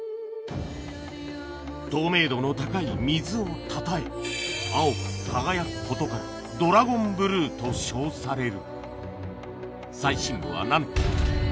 透明度の高い水をたたえ青く輝くことからと称される